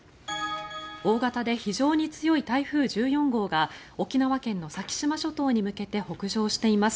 大型で非常に強い台風１４号が沖縄県の先島諸島に向けて北上しています。